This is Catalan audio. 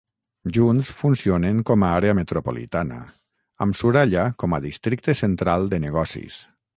Junts funcionen com a àrea metropolitana amb Surallah com a districte central de negocis.